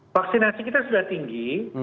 vaksinasi kita sudah tinggi